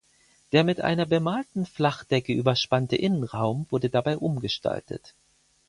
Der mit einer bemalten Flachdecke überspannte Innenraum wurde dabei umgestaltet.